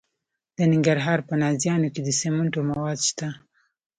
د ننګرهار په نازیانو کې د سمنټو مواد شته.